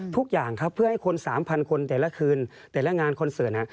ทุกอย่างครับเพื่อให้คน๓๐๐คนแต่ละคืนแต่ละงานคอนเสิร์ต